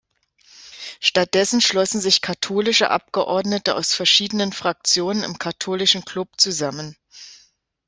Stattdessen schlossen sich katholische Abgeordnete aus verschiedenen Fraktionen im katholischen Club zusammen.